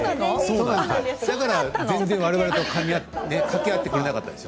だからわれわれと全然掛け合ってくれなかったんです。